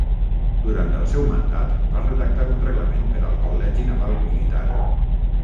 Durant el seu mandat va redactar un reglament per al Col·legi Naval Militar.